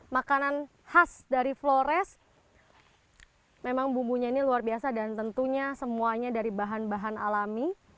makanan khas dari flores memang bumbunya ini luar biasa dan tentunya semuanya dari bahan bahan alami